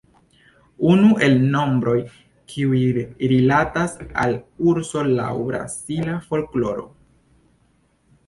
Unu el nombroj kiuj rilatas al urso laŭ brazila folkloro.